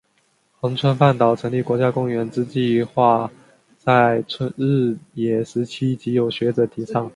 恒春半岛成立国家公园之计画在日治时期即有学者提倡。